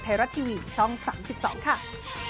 ดุดัน